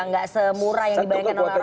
nggak semurah yang diberikan oleh orang orang